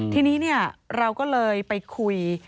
ทีนี้เนี่ยเราก็เลยไปคุย